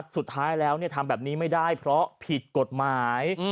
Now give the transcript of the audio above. สุดท้ายแล้วทำแบบนี้ไม่ได้เพราะผิดกฎหมาย